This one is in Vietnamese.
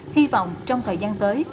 hy vọng trong thời gian tới